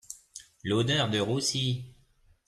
L'odeur de roussi